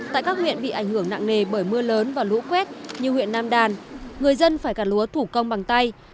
tại các huyện bị ảnh hưởng nặng nề bởi mưa lớn và lũ quét như huyện nam đàn người dân phải cà lúa thủ công bằng tay